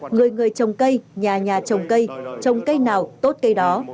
người người trồng cây nhà nhà trồng cây trồng cây nào tốt cây đó